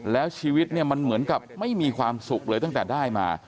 แล้วชีวิตเนี่ยมันเหมือนกับไม่มีความสุขเลยตั้งแต่ได้มา